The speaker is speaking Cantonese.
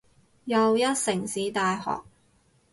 又一城市大學